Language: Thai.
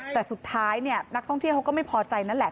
แต่สุดท้ายเนี่ยนักท่องเที่ยวเขาก็ไม่พอใจนั่นแหละ